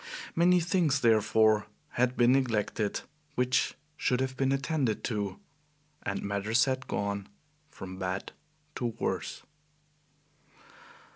Many things, therefore, had been neglected which should have been attended to, and matters had gone from bad to worse.